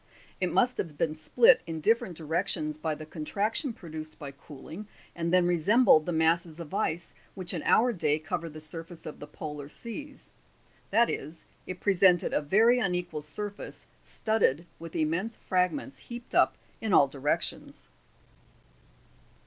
It must have been split in different directions by the contraction produced by cooling, and then resembled the masses of ice which in our day cover the sur face of the polar seas ; that is, it presented a very unequal surface, studded with immense fragments heaped up in all directions.